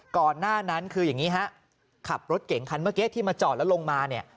ก่อนหน้านั้นคืออย่างนี้ฮะขับรถเก่งคันเมื่อกี้ที่มาจอดแล้วลงมาเนี่ย